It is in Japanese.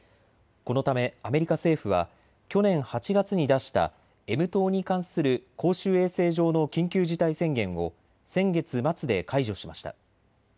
このためアメリカ政府は去年８月に出したＭ痘に関する公衆衛生上の緊急事態宣言を先月末で解除しました。